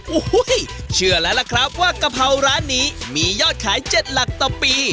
โอ้โหเชื่อแล้วล่ะครับว่ากะเพราร้านนี้มียอดขาย๗หลักต่อปี